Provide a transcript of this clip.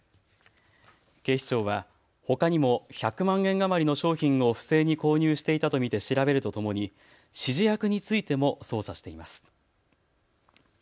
警視庁はほかにも１００万円余りの商品を不正に購入していたと見て調べるとともに指示役についても捜査しています。